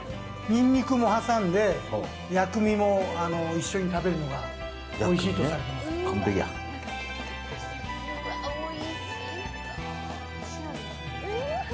にんにくも挟んで、薬味も一緒に食べるのがおいしいとされてます。